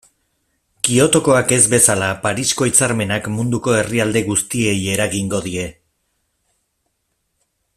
Kyotokoak ez bezala, Parisko hitzarmenak munduko herrialde guztiei eragingo die.